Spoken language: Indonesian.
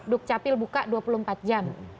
duk capil buka dua puluh empat jam